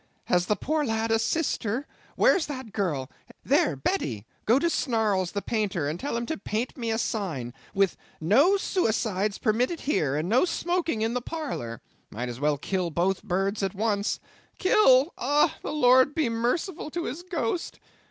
Has the poor lad a sister? Where's that girl?—there, Betty, go to Snarles the Painter, and tell him to paint me a sign, with—"no suicides permitted here, and no smoking in the parlor;"—might as well kill both birds at once. Kill? The Lord be merciful to his ghost!